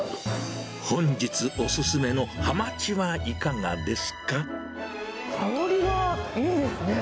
本日お勧めのハマチはいかが香りがいいですね。